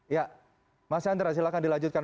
ya mas chandra silahkan dilanjutkan